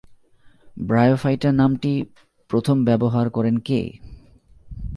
Bryophyta নামটি প্রথম ব্যবহার করেন কে?